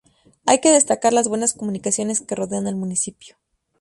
Hay que destacar las buenas comunicaciones que rodean al municipio.